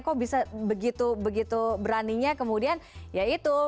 kok bisa begitu begitu beraninya kemudian ya itu